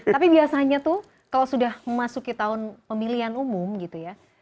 tapi biasanya tuh kalau sudah memasuki tahun pemilihan umum gitu ya